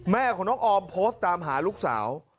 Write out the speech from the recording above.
แม่ของน้องออมโพสต์ตามหาลูกสาว